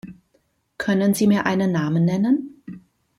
Können Sie mir einen Namen nennen?